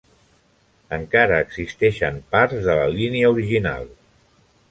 Encara existeixen parts de la línia original.